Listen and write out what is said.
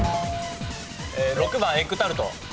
６番エッグタルト。